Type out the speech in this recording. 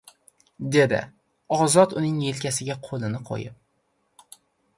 Dedi ozod uning yelkasiga qo‘lini qo‘yib